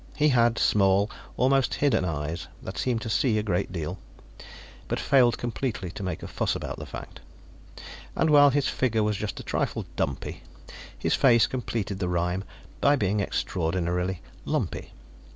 He had small, almost hidden eyes that seemed to see a great deal, but failed completely to make a fuss about the fact. And while his figure was just a trifle dumpy, his face completed the rhyme by being extraordinarily lumpy.